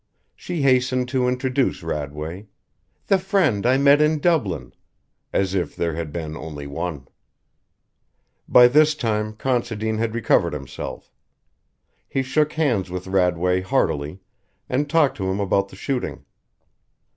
She hastened to introduce Radway: "The friend I met in Dublin" ... as if there had been only one. By this time Considine had recovered himself. He shook hands with Radway heartily and talked to him about the shooting.